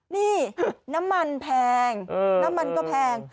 นี่น้ำมันแพงน้ำมันก็แพง